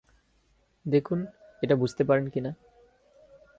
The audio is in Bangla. দেখুন, এটা বুঝতে পারেন কি না।